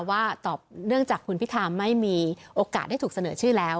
ว่าตอบเนื่องจากคุณพิธาไม่มีโอกาสได้ถูกเสนอชื่อแล้ว